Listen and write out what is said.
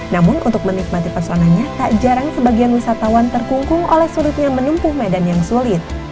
namun untuk menikmati personanya tak jarang sebagian wisatawan terkungkung oleh sulitnya menempuh medan yang sulit